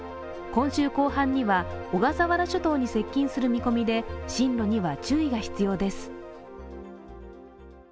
今週後半には小笠原諸島に接近する見込みで進路には注意が必要です。